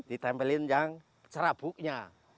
ditempelin yang serabuknya